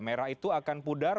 merah itu akan pudar